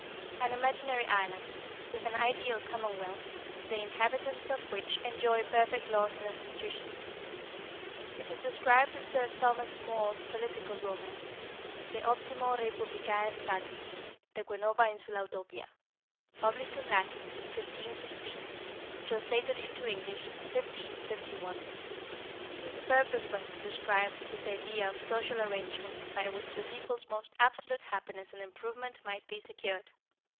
= An imaginary island, with an ideal commonwealth, the inhabitants of which enjoy perfect laws and institutions. It is described in Sir Thomas More's political romance, "De Optimo Reipublicae Statu, deque Nova Insula Utopia," published in Latin in 1516, and translated into English in 1551. His purpose was to describe his idea of social arrangements by which the people's most absolute happiness and improvement might be secured.